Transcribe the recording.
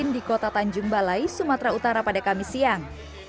di kota tanjung balai sumatera utara pada kamis siang